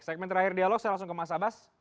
segmen terakhir dialog saya langsung ke mas abbas